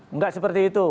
enggak seperti itu